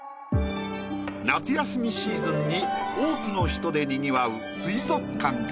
夏休みシーズンに多くの人でにぎわう水族館から。